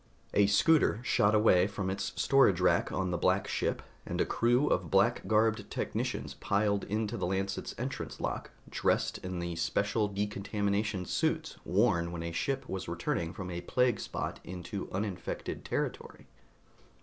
A scooter shot away from its storage rack on the black ship, and a crew of black garbed technicians piled into the Lancet's entrance lock, dressed in the special decontamination suits worn when a ship was returning from a plague spot into uninfected territory.